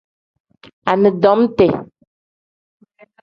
Anidomiti.